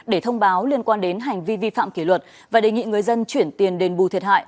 để thông báo liên quan đến hành vi vi phạm kỷ luật và đề nghị người dân chuyển tiền đền bù thiệt hại